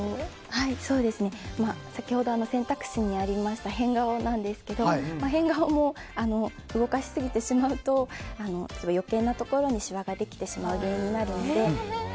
先ほど選択肢にありました変顔なんですけど変顔も動かしすぎてしまうと余計なところにシワができる原因になるので。